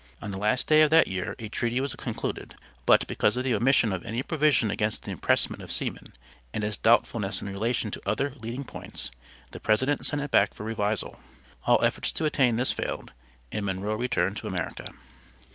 On the last day of that year a treaty was concluded, but because of the omission of any provision against the impressment of seamen, and its doubtfulness in relation to other leading points the president sent it back for revisal. All efforts to attain this failed and Monroe returned to America.